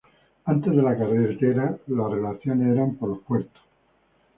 Antes de la carretera las relaciones eran por los "puertos".